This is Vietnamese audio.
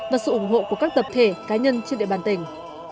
và sự ủng hộ của các tập thể cá nhân trên địa bàn tỉnh